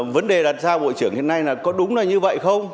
vấn đề đặt ra bộ trưởng hiện nay là có đúng là như vậy không